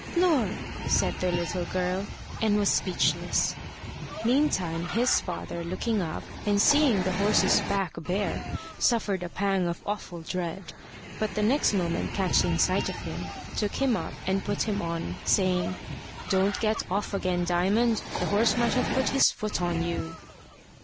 "Lor!" said the little girl, and was speechless. Meantime his father, looking up, and seeing the horse's back bare, suffered a pang of awful dread, but the next moment catching sight of him, took him up and put him on, saying "Don't get off again, Diamond. The horse might have put his foot on you."